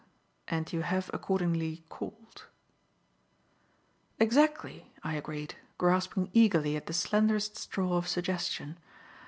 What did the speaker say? And you have accordingly called." "Exactly," I agreed, grasping eagerly at the slenderest straw of suggestion.